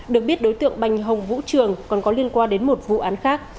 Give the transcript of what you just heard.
được biết đối tượng bành hồng vũ trường còn có liên quan đến một vụ án khác